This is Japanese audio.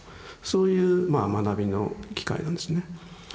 そういう学びの機会なんですね。